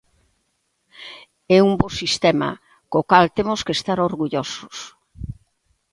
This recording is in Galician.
É un bo sistema, co cal temos que estar orgullosos.